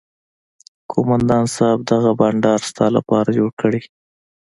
قومندان صايب دغه بنډار ستا لپاره جوړ کړى.